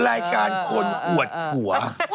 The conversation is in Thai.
รายการคนอวดผัว